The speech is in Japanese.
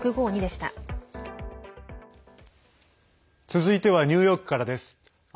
続いてはニューヨークからです。